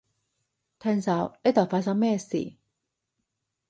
停手，呢度發生咩事？